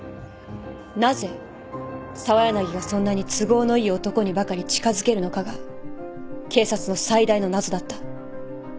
なぜ澤柳がそんなに都合のいい男にばかり近づけるのかが警察の最大の謎だった。